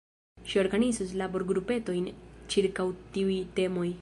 Ŝi organizos laborgrupetojn ĉirkaŭ tiuj temoj.